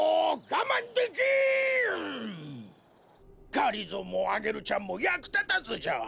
がりぞーもアゲルちゃんもやくたたずじゃ。